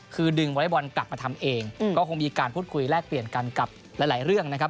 คงมีการพูดคุยแลกเปลี่ยนกันกับหลายเรื่องนะครับ